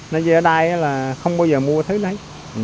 nên ở đây là không bao giờ mua thứ này